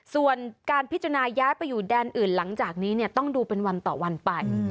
ส่วนการพิจารณาย้ายไปอยู่แดนอื่นหลังจากนี้ต้องดูเป็นวันต่อวันไป